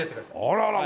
あらら！